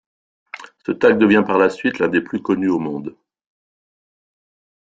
Ce tag devient par la suite l'un des plus connus au monde.